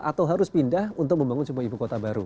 atau harus pindah untuk membangun sebuah ibu kota baru